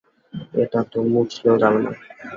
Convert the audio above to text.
এটা তো মুছলেও যাবে না।